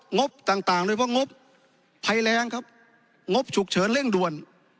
งบต่างโดยเฉพาะงบภัยแรงครับงบฉุกเฉินเร่งด่วน